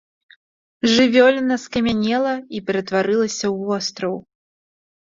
Жывёліна скамянела і ператварылася ў востраў.